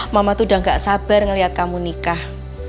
mama tuh udah gak sabar ngelihat kamu nikah